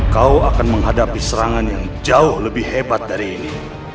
kau akan menghadapi serangan yang jauh lebih hebat dari ini